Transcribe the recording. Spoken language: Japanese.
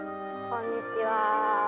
こんにちは。